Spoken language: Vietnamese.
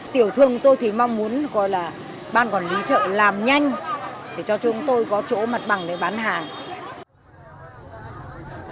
tiểu thương tôi thì mong muốn ban quản lý chợ làm nhanh để cho chúng tôi có chỗ mặt bằng để bán hàng